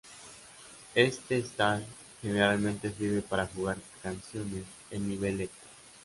Este "stage" generalmente sirve para jugar canciones en nivel Extra.